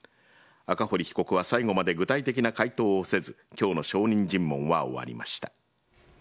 赤堀被告は最後まで具体的な回答はせず今日の証人尋問は終わりました。